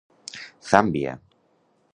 Zàmbia.